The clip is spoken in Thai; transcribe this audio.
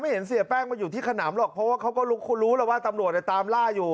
เห็นเสียแป้งมาอยู่ที่ขนำหรอกเพราะว่าเขาก็รู้แล้วว่าตำรวจตามล่าอยู่